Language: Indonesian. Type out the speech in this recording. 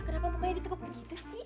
kakak kenapa mukanya ditukup begitu sih